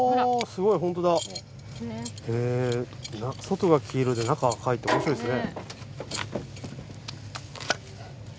へぇ外が黄色で中赤いっておもしろいですね。